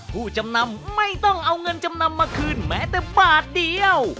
ผู้จำนำไม่ต้องเอาเงินจำนำมาคืนแม้แต่บาทเดียว